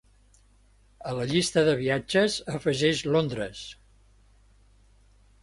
A la llista de viatges afegeix Londres.